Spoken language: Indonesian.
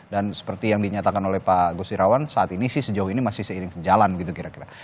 dan seperti yang dinyatakan oleh pak gusirawan saat ini sih sejauh ini masih seiring jalan gitu kira kira